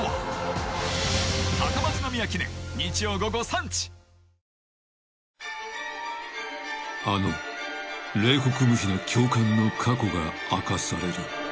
三菱電機［あの冷酷無比な教官の過去が明かされる］